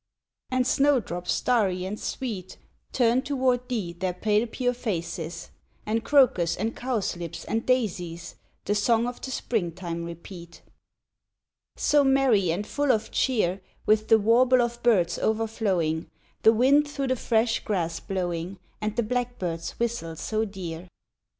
And Snowdrops starry and sweet, Turn toward thee their pale pure faces And Crocus, and Cowslips, and Daisies The song of the spring time repeat. So merry and full of cheer, With the warble of birds overflowing, The wind through the fresh grass blowing And the blackbirds whistle so dear.